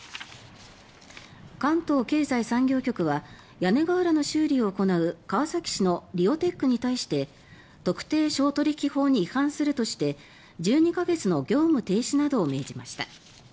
関東経済産業局は屋根瓦の修理を行う川崎市のリオテックに対して特定商取引法に違反するとして１２か月の業務停止などを命じました。